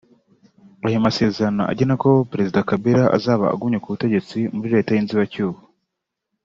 Ayo masezerano agena ko Perezida Kabila azaba agumye ku butegetsi muri leta y’inzibacyuho